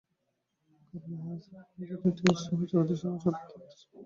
কারণ, Hennessey Venom জিটির সর্বোচ্চ গতিসীমা স্বতন্ত্র প্রতিষ্ঠানের মাধ্যমে যাচাই করা হয়নি।